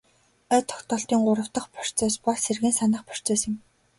Ой тогтоолтын гурав дахь алхам бол сэргээн санах процесс юм.